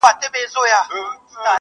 راځه جهاني جوړ سو د پردېسو اوښکو کلی،